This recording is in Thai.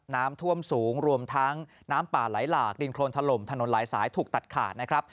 น้ำท่วมสูงรวมทั้งน้ำป่าไหลหลากดินโครนถล่มถนนหลายสายถูกตัดขาดนะครับ